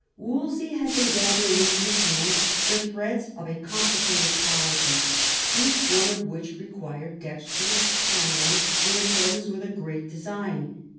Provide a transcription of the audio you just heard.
Wolsey had been gathering into his hands the threads of a complicated policy, each one of which required dex terous handling, in accordance with a great design.